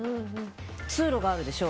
通路があるでしょ。